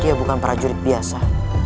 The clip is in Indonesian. dia bukan prajurit biasa